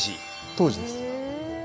当時です。